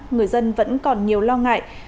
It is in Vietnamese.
người dân vẫn còn nhiều lo ngại